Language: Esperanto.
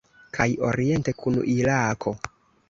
Kaj oriente kun Irako.